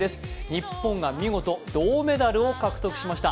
日本が見事、銅メダルを獲得しました。